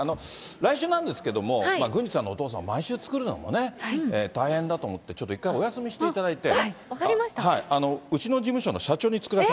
来週なんですけども、郡司さんのお父さん、毎週作るのもね、大変だと思って、ちょっと一回お休みしていただいて。